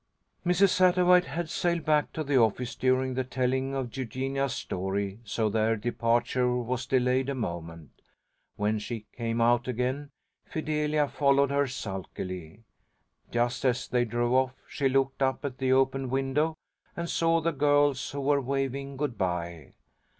Mrs. Sattawhite had sailed back to the office during the telling of Eugenia's story, so their departure was delayed a moment. When she came out again, Fidelia followed her sulkily. Just as they drove off, she looked up at the open window, and saw the girls, who were waving good bye.